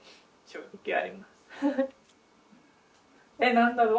何だろう